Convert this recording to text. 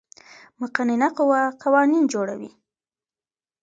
مقننه قوه قوانین جوړوي